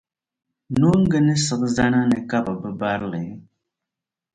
Nooŋa ni siɣi zana ni ka bɛ bi bari li?